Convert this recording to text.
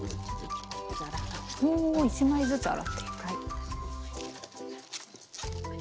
お１枚ずつ洗っていく。